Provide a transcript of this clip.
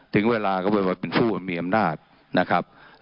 ถึงเวลาก็เป็นผู้ที่มีอำนาจ